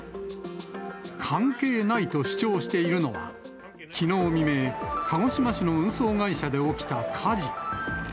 関係ないと主張しているのは、きのう未明、鹿児島市の運送会社で起きた火事。